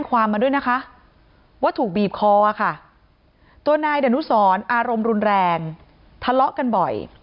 ความมาด้วยนะคะว่าถูกบีบคอค่ะตัวนายดนุสรอารมณ์รุนแรงทะเลาะกันบ่อย